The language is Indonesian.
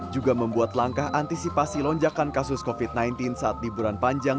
juga membuat langkah antisipasi lonjakan kasus covid sembilan belas saat liburan panjang